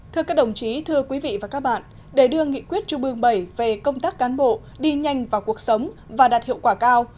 thưa các đồng chí thưa quý vị và các bạn để đưa nghị quyết trung ương bảy về công tác cán bộ đi nhanh vào cuộc sống và đạt hiệu quả cao